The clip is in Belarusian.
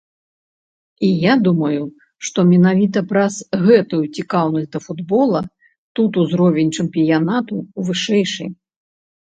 І я думаю, што менавіта праз гэтую цікаўнасць да футбола тут узровень чэмпіянату вышэйшы.